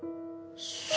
そ